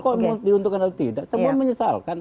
kok diuntungkan atau tidak semua menyesalkan